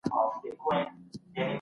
که زده کړه روانه وي، مهارت نه زړېږي.